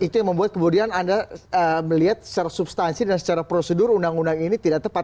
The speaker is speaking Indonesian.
itu yang membuat kemudian anda melihat secara substansi dan secara prosedur undang undang ini tidak tepat